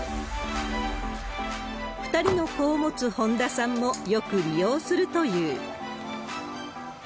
２人の子を持つ本多さんも、よく利用するという。